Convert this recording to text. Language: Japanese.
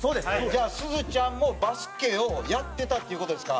じゃあすずちゃんもバスケをやってたっていう事ですか？